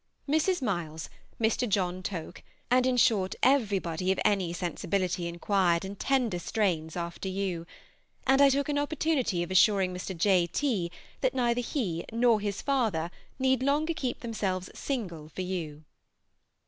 Mrs. Milles, Mr. John Toke, and in short everybody of any sensibility inquired in tender strains after you, and I took an opportunity of assuring Mr. J. T. that neither he nor his father need longer keep themselves single for you.